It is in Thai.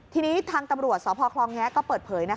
ทีนี้ทางตำรวจสพคลองแงะก็เปิดเผย